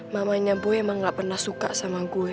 mamanya bu emang gak pernah suka sama gue